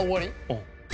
うん。